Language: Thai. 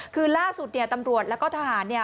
คือล่าสุดเนี่ยตำรวจแล้วก็ทหารเนี่ย